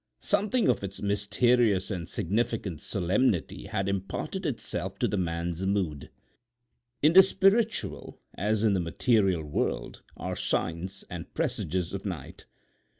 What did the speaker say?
Something of its mysterious and significant solemnity had imparted itself to the man's mood. In the spiritual, as in the material world, are signs and presages of night.